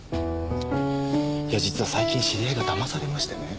いや実は最近知り合いがだまされましてね。